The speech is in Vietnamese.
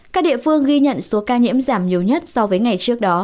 các địa phương ghi nhận số ca nhiễm giảm nhiều nhất so với ngày trước đó